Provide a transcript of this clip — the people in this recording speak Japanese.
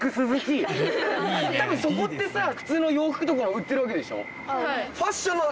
多分そこってさ普通の洋服とかも売ってるわけでしょ？